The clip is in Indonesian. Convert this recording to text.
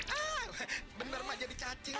ah benar mak jadi cacing mak